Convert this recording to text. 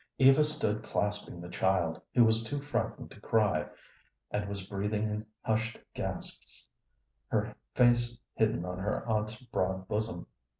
Eva stood clasping the child, who was too frightened to cry, and was breathing in hushed gasps, her face hidden on her aunt's broad bosom.